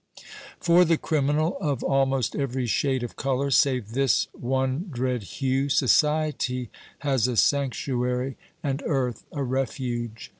For the criminal of almost every shade of colour, save this one dread hue, society has a sanctuary and earth a refuge.